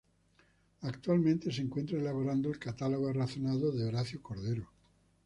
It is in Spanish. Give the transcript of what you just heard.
Actualmente se encuentra elaborando el catálogo razonado de Horacio Cordero.